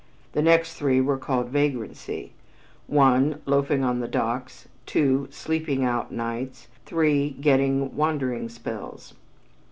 The next three were called vagrancy: (1) Loafing on the docks; (2) "sleeping out" nights; (3) getting "wandering spells."